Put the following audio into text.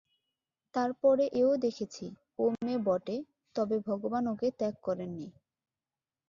তার পরে এও দেখেছি, ও মেয়ে বটে তবু ভগবান ওকে ত্যাগ করেন নি।